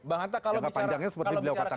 yang kepanjangnya seperti beliau katakan tadi